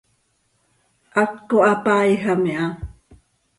haptco hapaiijam iha.